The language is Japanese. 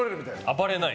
暴れない。